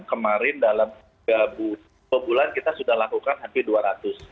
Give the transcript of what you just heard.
kemarin dalam tiga bulan kita sudah lakukan hampir dua ratus